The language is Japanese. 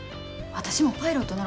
私もパイロットなろ。